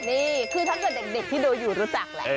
นี่คือถ้าเกิดเด็กที่ดูอยู่รู้จักแหละ